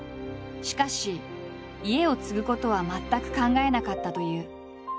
しかし家を継ぐことは全く考えなかったという。